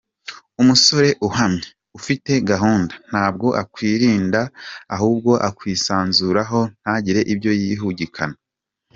Umusore uhamye, ufite gahunda ntabwo akwirinda ahubwo akwisanzuraho ntagire ibyo yihugikana.